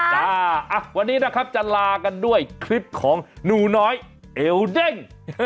ก็ค่ะวันนี้จะลากันด้วยคลิปของหนูน้อยเอ็วเด้ง